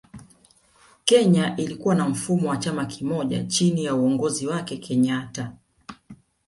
Kenya ilikuwa na mfumo wa chama kimoja chini ya uongozi wake kenyatta